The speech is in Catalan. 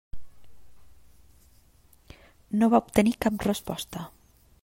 No va obtenir cap resposta.